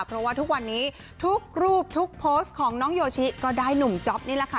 เพราะว่าทุกวันนี้ทุกรูปทุกโพสต์ของน้องโยชิก็ได้หนุ่มจ๊อปนี่แหละค่ะ